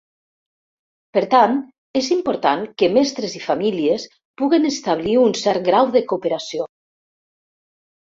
Per tant, és important que mestres i famílies puguin establir un cert grau de cooperació.